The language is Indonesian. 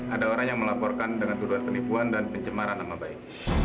ada orang yang melaporkan dengan tuduhan penipuan dan pencemaran nama baik